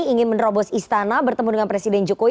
ingin menerobos istana bertemu dengan presiden jokowi